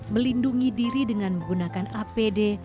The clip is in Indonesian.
melindungi diri dengan menggunakan apd